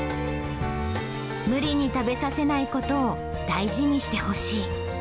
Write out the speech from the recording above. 無理に食べさせないことを大事にしてほしい。